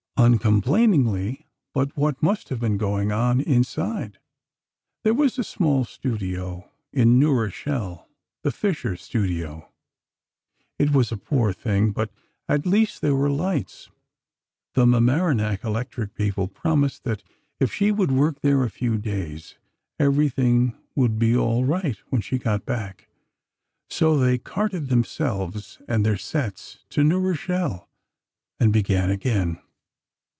Uncomplainingly, but what must have been going on inside. There was a small studio in New Rochelle, the Fischer studio. It was a poor thing, but at least there were lights. The Mamaroneck electric people promised that if she would work there a few days, everything would be all right when she got back. So they carted themselves and their sets to New Rochelle, and began again.